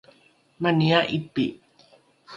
mani a’ipi